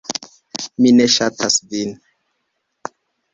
Mi ne ŝatas vin.